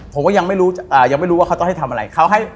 ผมก็ยังไม่รู้ว่าเขาต้องให้ทำอะไร